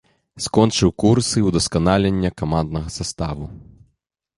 Скончыў курсы ўдасканалення каманднага саставу.